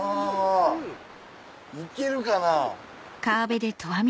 行けるかな？